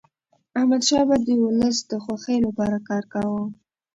احمدشاه بابا د ولس د خوښی لپاره کار کاوه.